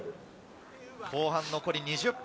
後半残り２０分。